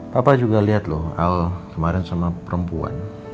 papa juga lihat loh al kemarin sama perempuan